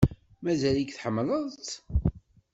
Mazal-ik tḥemmleḍ-tt?